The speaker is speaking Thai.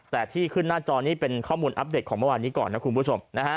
แต่ที่ขึ้นหน้าจอนี้เป็นข้อมูลอัปเดตของเมื่อวานนี้ก่อนนะคุณผู้ชมนะฮะ